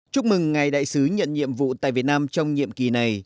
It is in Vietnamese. chúc mừng ngài đại sứ nhận nhiệm vụ tại việt nam trong nhiệm kỳ này